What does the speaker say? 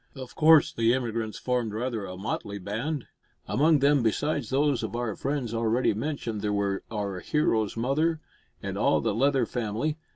Of course the emigrants formed rather a motley band. Among them, besides those of our friends already mentioned, there were our hero's mother and all the Leather family.